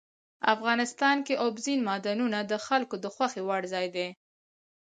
افغانستان کې اوبزین معدنونه د خلکو د خوښې وړ ځای دی.